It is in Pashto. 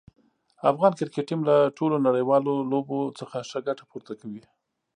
افغان کرکټ ټیم له ټولو نړیوالو لوبو څخه ښه ګټه پورته کوي.